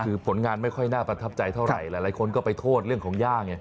คือผลงานไม่ค่อยน่าประทับใจเท่าไหร่หลายคนก็ไปโทษเรื่องของย่าไง